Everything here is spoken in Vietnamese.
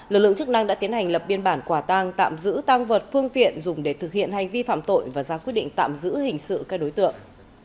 lực lượng chức năng đã tiến hành lập biên bản quả tang tạm giữ tăng vật phương tiện dùng để thực hiện hành vi phạm tội và ra quyết định tạm giữ hình sự các đối tượng